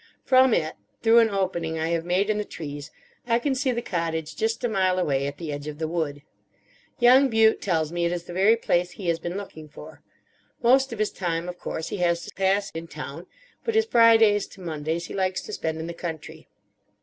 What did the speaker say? From it, through an opening I have made in the trees, I can see the cottage just a mile away at the edge of the wood. Young Bute tells me it is the very place he has been looking for. Most of his time, of course, he has to pass in town, but his Fridays to Mondays he likes to spend in the country.